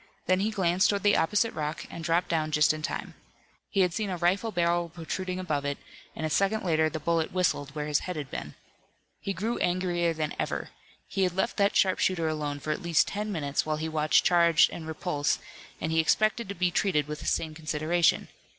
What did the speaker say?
Then he glanced toward the opposite rock and dropped down just in time. He had seen a rifle barrel protruding above it, and a second later the bullet whistled where his head had been. He grew angrier than ever. He had left that sharpshooter alone for at least ten minutes, while he watched charge and repulse, and he expected to be treated with the same consideration.